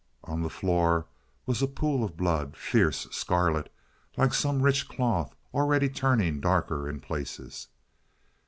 On the floor was a pool of blood, fierce, scarlet, like some rich cloth, already turning darker in places.